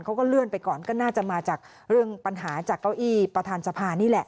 เขาก็เลื่อนไปก่อนก็น่าจะมาจากเรื่องปัญหาจากเก้าอี้ประธานสภานี่แหละ